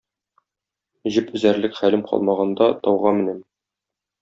Җеп өзәрлек хәлем калмаганда, тауга менәм.